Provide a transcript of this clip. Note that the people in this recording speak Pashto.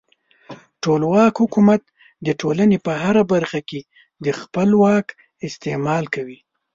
ټولواک حکومت د ټولنې په هره برخه کې د خپل واک استعمال کوي.